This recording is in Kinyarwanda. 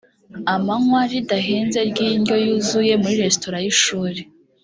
amanywa ridahenze ry indyo yuzuye muri resitora y ishuri